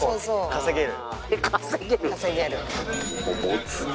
稼げる。